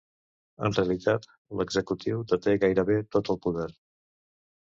En realitat, l'executiu deté gairebé tot el poder.